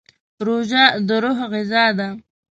روژه د روح غذا ده.